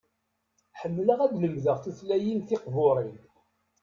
Ḥemmleɣ ad lemdeɣ tutlayin tiqburin.